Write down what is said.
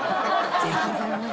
ありがとうございます。